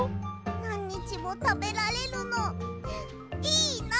なんにちもたべられるのいいなって。